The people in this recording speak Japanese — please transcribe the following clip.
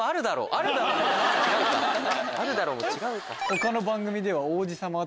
「あるだろ！」も違うか。